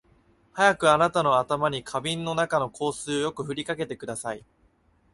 早くあなたの頭に瓶の中の香水をよく振りかけてください